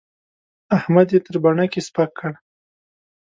احمد يې تر بڼکې سپک کړ.